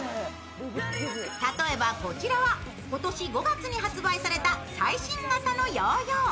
例えばこちらは今年５月に発売された最新型のヨーヨー。